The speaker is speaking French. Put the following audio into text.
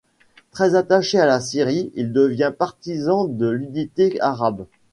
Très attaché à la Syrie, il devient partisan de l'unité arabe.